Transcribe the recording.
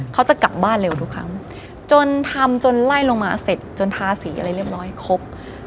เขาจะกลับบ้านเร็วทุกครั้งจนทำจนไล่ลงมาเสร็จจนทาสีอะไรเรียบร้อยครบ